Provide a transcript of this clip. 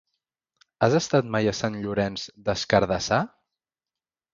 Has estat mai a Sant Llorenç des Cardassar?